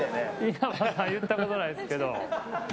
言ったことないですけど。